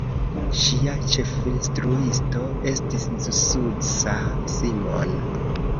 Ŝia ĉefinstruisto estis Zsuzsa Simon.